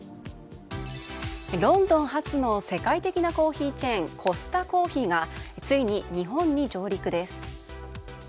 ロンドン発の世界的なコーヒーチェーンコスタコーヒーがついに日本に上陸です。